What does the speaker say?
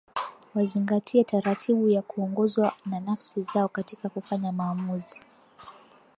Wazingatie taratibu na kuongozwa na nafsi zao katika kufanya maamuzi